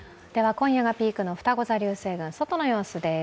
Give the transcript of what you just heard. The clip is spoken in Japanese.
今夜がピークのふたご座流星群外の様子です。